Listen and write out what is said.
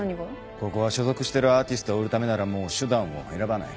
ここは所属してるアーティストを売るためならもう手段を選ばない。